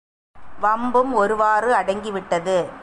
வம்பும் ஒருவாறு அடங்கிவிட்டது.